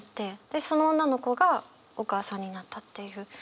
でその女の子がお母さんになったっていう。